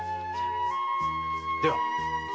では。